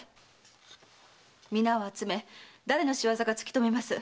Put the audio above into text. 皆を集め誰の仕業か突き止めます。